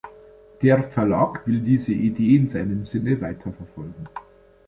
Der Verlag will diese Idee in seinem Sinne weiterverfolgen.